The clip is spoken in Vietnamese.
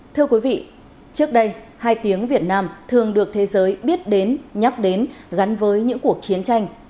thưa quý vị trước đây hai tiếng việt nam thường được thế giới biết đến nhắc đến gắn với những cuộc chiến tranh